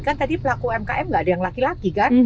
kan tadi pelaku umkm gak ada yang laki laki kan